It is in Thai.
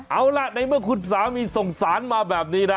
เอาล่ะในเมื่อคุณสามีส่งสารมาแบบนี้นะ